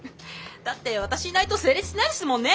だって私いないと成立しないですもんね。